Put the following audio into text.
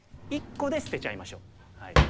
１個で捨てちゃいましょう。